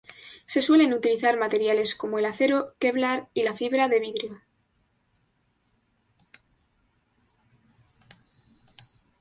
Se suelen utilizar materiales como el acero, Kevlar y la fibra de vidrio.